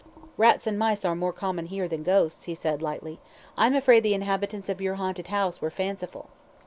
"Rats and mice are more common here than ghosts," he said, lightly. "I'm afraid the inhabitants of your haunted house were fanciful."